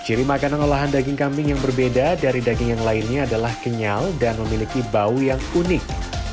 ciri makanan olahan daging kambing yang berbeda dari daging yang lainnya adalah kenyal dan memiliki bau yang unik